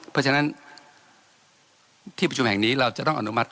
เพราะฉะนั้นที่ประชุมแห่งนี้เราจะต้องอนุมัติ